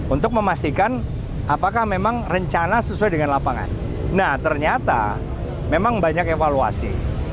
untuk memastikan apakah memang rencana sesuai dengan lapangan nah ternyata memang banyak evaluasi